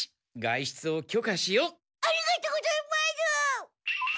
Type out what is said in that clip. ありがとうございます！